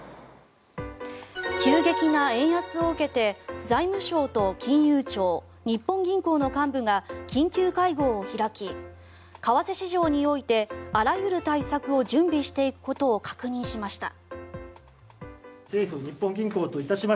急激な円安を受けて財務省と金融庁日本銀行の幹部が緊急会合を開き為替市場においてあらゆる対策を準備していくことを確認しました。